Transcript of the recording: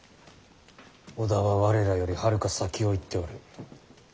織田は我らよりはるか先を行っておる。